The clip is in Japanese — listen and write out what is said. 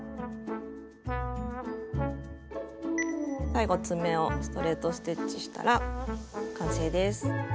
最後爪をストレート・ステッチしたら完成です。